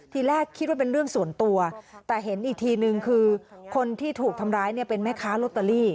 ทีแรกคิดว่าเป็นเรื่องส่วนตัวแต่เห็นอีกทีนึงคือคนที่ถูกทำร้ายเนี่ยเป็นแม่ค้าลอตเตอรี่